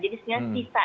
jadi sebenarnya sisa